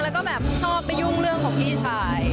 แล้วก็แบบชอบไปยุ่งเรื่องของพี่ชาย